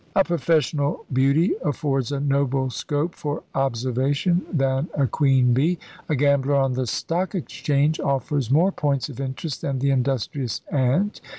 A professional beauty affords a nobler scope for observation than a queen bee; a gambler on the stock exchange offers more points of interest than the industrious ant.